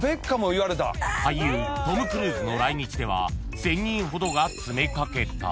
［俳優トム・クルーズの来日では１，０００人ほどが詰め掛けた］